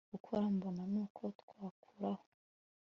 gukora mbona nuko twakuraho